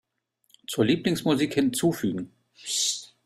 Zur Lieblingsmusik hinzufügen.